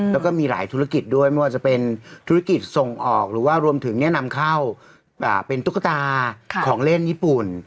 แล้วก็มีหลายธุรกิจด้วยไม่ว่าจะเป็นธุรกิจส่งออกหรือว่ารวมถึงนำเข้าเป็นตุ๊กตาของเล่นญี่ปุ่น